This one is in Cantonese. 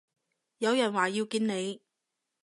有人話要見你